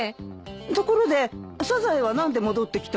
ところでサザエは何で戻ってきたの？